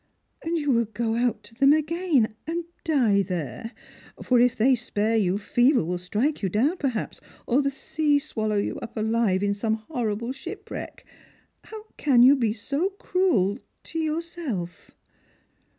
" And you will go out to them again, and die there ! For if they spare you, fever will strike you down, perhaps, or the sea swallow you up alive in some horrible shipwreck. How can yo« be so cruel — to yourself?"